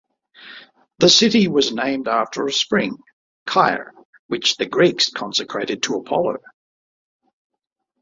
The city was named after a spring, Kyre, which the Greeks consecrated to Apollo.